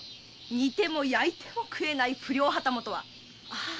煮ても焼いても食えない不良旗本は！ああ！